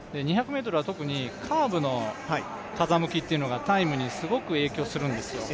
２００ｍは特にカーブの風向きがタイムにすごく影響するんですよ。